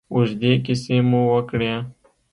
اوږدې کیسې مو وکړې.